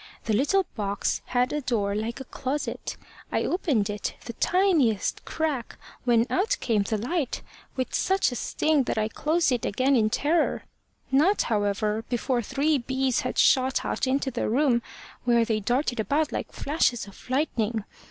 The little box had a door like a closet. I opened it the tiniest crack when out came the light with such a sting that I closed it again in terror not, however, before three bees had shot out into the room, where they darted about like flashes of lightning.